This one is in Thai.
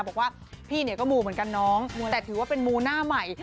บอกว่าพี่เนี่ยก็มูเหมือนกันน้องแต่ถือว่าเป็นมูหน้าใหม่